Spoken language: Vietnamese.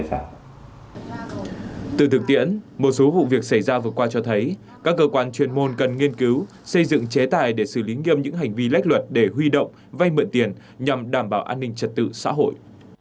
các vụ việc xảy ra vừa qua cho thấy các cơ quan chuyên môn cần nghiên cứu xây dựng chế tài để xử lý nghiêm những hành vi lách luật để huy động vay mượn tiền nhằm đảm bảo an ninh trật tự xã hội